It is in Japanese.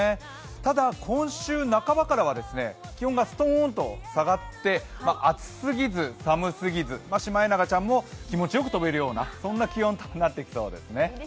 ただ、今週半ばからは気温がすとーんと下がって暑すぎず、寒すぎずシマエナガちゃんも気持ちよく飛べるような、そんな気温となりそうですね。